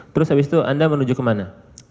terus habis itu anda menuju kemana